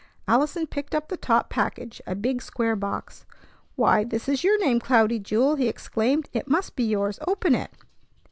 Allison picked up the top package, a big, square box. "Why, this is your name, Cloudy Jewel!" he exclaimed. "It must be yours. Open it!"